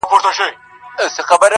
بيا به تاوان راکړې د زړگي گلي